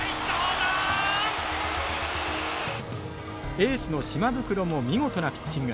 エースの島袋も見事なピッチング。